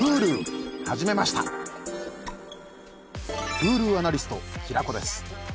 Ｈｕｌｕアナリスト平子です。